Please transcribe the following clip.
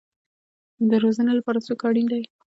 د روزنې لپاره څوک اړین دی؟